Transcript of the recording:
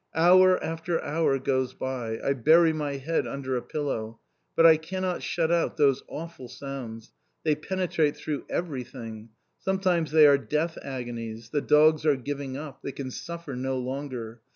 Hour after hour goes by, I bury my head under a pillow, but I cannot shut out those awful sounds, they penetrate through everything, sometimes they are death agonies; the dogs are giving up, they can suffer no longer.